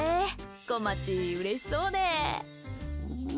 こまち、うれしそうで。